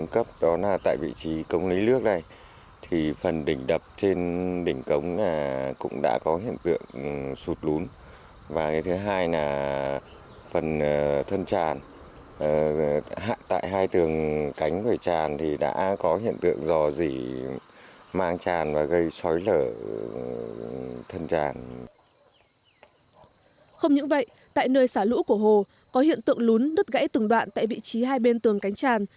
không những vậy tại nơi xả lũ của hồ có hiện tượng lún đứt gãy từng đoạn tại vị trí hai bên tường cánh tràn